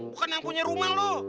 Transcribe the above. bukan yang punya rumah loh